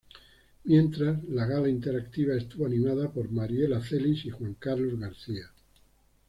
Mientras, la gala interactiva estuvo animada por Mariela Celis y Juan Carlos García.